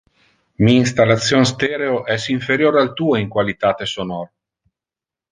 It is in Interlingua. Mi installation stereo es inferior al tue in qualitate sonor.